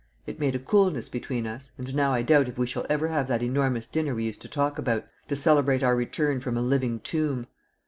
It made a coolness between us, and now I doubt if we shall ever have that enormous dinner we used to talk about to celebrate our return from a living tomb."